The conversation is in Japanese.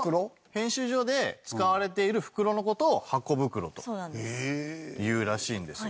編集所で使われている袋の事をハコ袋と言うらしいんですよね。